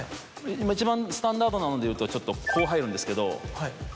一番スタンダードなのでいうとちょっとこう入るんですけど。